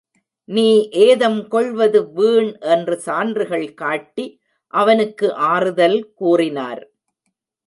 நீ ஏதம் கொள்வது வீண் என்று சான்றுகள் காட்டி அவனுக்கு ஆறுதல் கூறினார்.